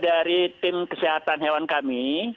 dari tim kesehatan hewan kami